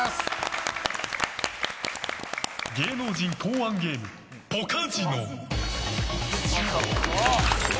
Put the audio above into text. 芸能人考案ゲームポカジノ！